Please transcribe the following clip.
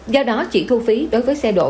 do đó chỉ thu phí đối với xe đổ